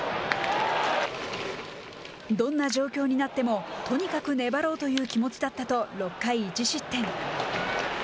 「どんな状況になってもとにかく粘ろうという気持ちだった」と６回１失点。